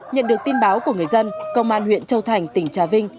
nhận được tin báo của người dân công an huyện châu thành tỉnh trà vinh